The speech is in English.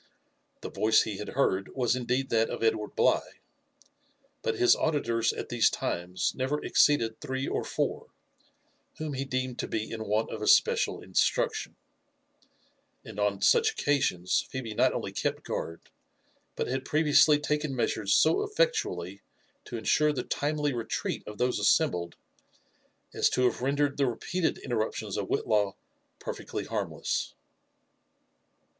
The voice he had heard was indeed that of Edward Bligh ; but his auditors at these times never exceeded three or four, whom he deemed to be in want of especial instruction ; and on such occasions Phebe not only kept guard, but had previously taken measures so effectually to ensure the timely retreat of those assembled, as to have rendered the repeated in terruptions of Whitlaw perfectly harmless.